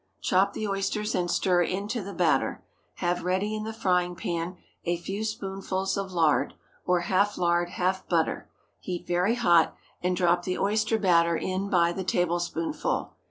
Chop the oysters and stir into the batter. Have ready in the frying pan a few spoonfuls of lard, or half lard, half butter; heat very hot, and drop the oyster batter in by the tablespoonful.